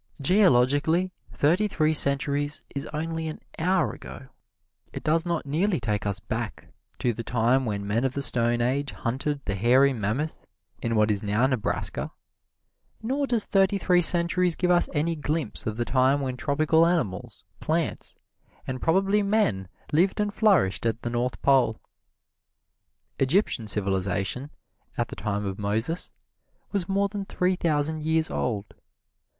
Geologically, thirty three centuries is only an hour ago. It does not nearly take us back to the time when men of the Stone Age hunted the hairy mammoth in what is now Nebraska, nor does thirty three centuries give us any glimpse of the time when tropical animals, plants and probably men lived and flourished at the North Pole. Egyptian civilization, at the time of Moses, was more than three thousand years old.